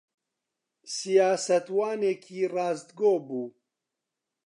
سیاسەتوانێکی ڕاستگۆ بوو.